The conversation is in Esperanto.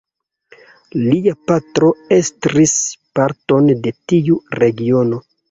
Lia patro estris parton de tiu regiono.